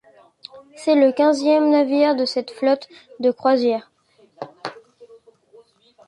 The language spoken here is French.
C'est le quinzième navire de cette flotte de croisière.